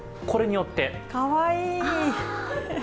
かわいい。